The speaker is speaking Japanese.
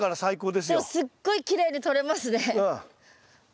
でもすっごいきれいに取れますね。